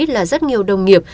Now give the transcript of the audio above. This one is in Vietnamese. là rất nhiều đồng nghiệp